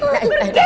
naik naik naik